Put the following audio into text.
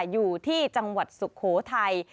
อยู่ที่จังหวัดสุโขทัย